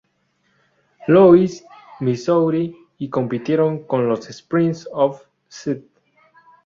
Louis, Missouri y compitieron como los Spirits of St.